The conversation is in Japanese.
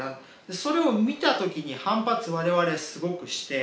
それを見た時に反発我々すごくして。